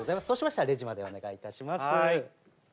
そうしましたらレジまでお願いいたします。